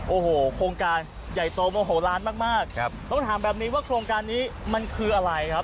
โอ้โหโครงการใหญ่โตโมโหลานมากมากครับต้องถามแบบนี้ว่าโครงการนี้มันคืออะไรครับ